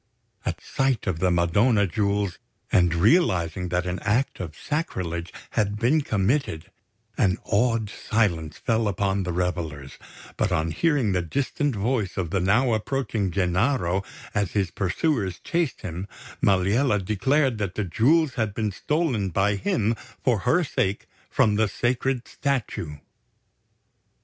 At sight of the Madonna Jewels, and realising that an act of sacrilege had been committed, an awed silence fell upon the revellers; but on hearing the distant voice of the now approaching Gennaro as his pursuers chased him, Maliella declared that the Jewels had been stolen by him for her sake from the sacred statue.